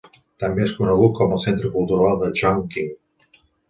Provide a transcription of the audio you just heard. També és conegut com el centre cultural de Chongqing.